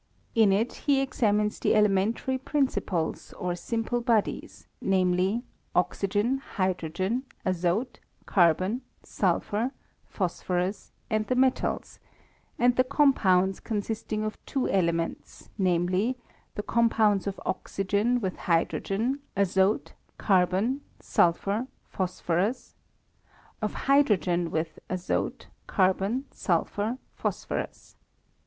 In it he esamines the elementary principles, or simple bodies, namely, oxygen, hydrogen, azote, carbon, sulphur, phosphorus, and the metals ; and the com pounds consisting of two elements, namely, the compounds of oxygen with hydrogen, azote, carbon, sulphur, phosphorus ; of hydrogen with azote, car bon, sulphur, phosphorus.